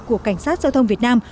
của cảnh sát giao thông việt nam